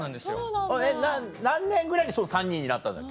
えっ何年ぐらいに３人になったんだっけ？